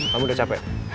kamu udah capek